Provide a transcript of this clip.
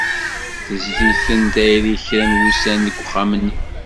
Tezdi-ten tayri kra n wussan deg uxxam-nni.